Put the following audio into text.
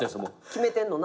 決めてんのな。